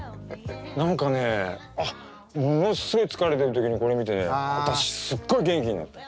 何かねものすごい疲れてる時にこれ見てね私すっごい元気になった。